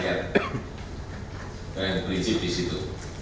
yang prinsip di situ